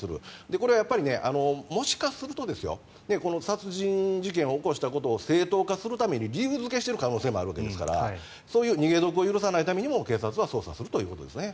これはもしかすると殺人事件を起こしたことを正当化するために理由付けしている可能性もあるわけですからそういう逃げ得を許さないためにも警察は捜査するということです。